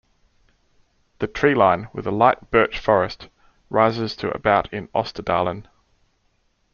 The treeline, with a light birch forest, rises to about in Østerdalen.